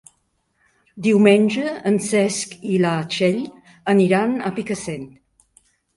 Diumenge en Cesc i na Txell aniran a Picassent.